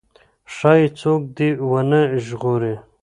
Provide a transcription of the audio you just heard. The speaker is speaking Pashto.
ښايي څوک دې ونه ژغوري.